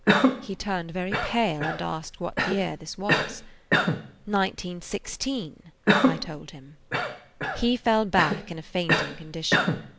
He turned very pale and asked what year this was. "1916," I told him. He fell back in a fainting condition.